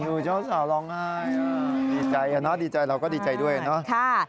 ดูเจ้าสาวร้องไห้ดีใจนะเราก็ดีใจด้วยนะ